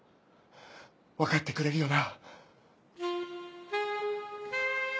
わかってくれるよな？